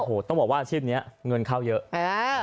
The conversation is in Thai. โอ้โหต้องบอกว่าอาชีพนี้เงินเข้าเยอะ